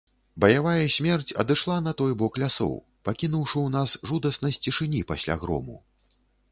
Баявая смерць адышла на той бок лясоў, пакінуўшы ў нас жудаснасць цішыні пасля грому.